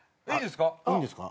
いいですか？